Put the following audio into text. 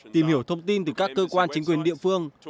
tìm hiểu thông tin từ các cơ quan chính quyền địa phương